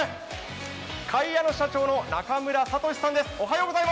かいやの社長の中村敏さんです。